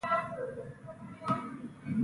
بېنډۍ د پخلي هنر ښيي